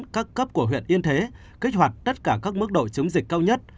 các cấp của huyện yên thế kích hoạt tất cả các mức độ chống dịch cao nhất